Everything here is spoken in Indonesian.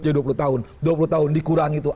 menjadi dua puluh tahun dua puluh tahun dikurang itu